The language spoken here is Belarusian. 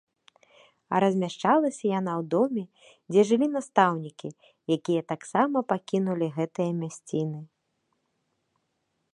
А размяшчалася яна ў доме, дзе жылі настаўнікі, якія таксама пакінулі гэтыя мясціны.